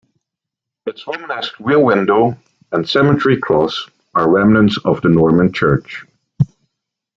Its Romanesque wheel window and cemetery cross are remnants of the Norman church.